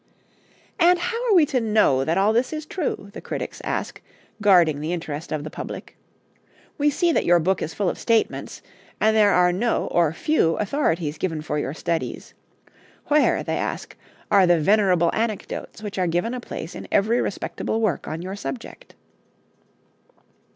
'And how are we to know that all this is true?' the critics ask, guarding the interest of the public. 'We see that your book is full of statements, and there are no, or few, authorities given for your studies. Where,' they ask, 'are the venerable anecdotes which are given a place in every respectable work on your subject?'